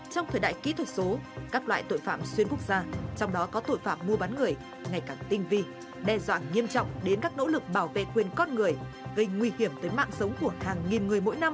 trong thời đại kỹ thuật số các loại tội phạm xuyên quốc gia trong đó có tội phạm mua bán người ngày càng tinh vi đe dọa nghiêm trọng đến các nỗ lực bảo vệ quyền con người gây nguy hiểm tới mạng sống của hàng nghìn người mỗi năm